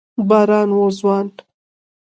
باران و ځوان